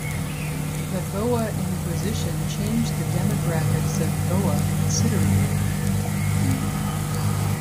The Goa Inquisition changed the demographics of Goa considerably.